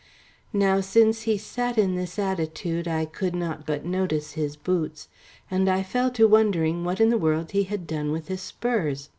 Now since he sat in this attitude, I could not but notice his boots, and I fell to wondering what in the world he had done with his spurs.